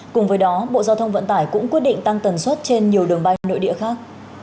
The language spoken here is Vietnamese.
cùng với đó bộ giao thông vận tải cũng quyết định tăng tần suất trên nhiều đường bay nội địa khác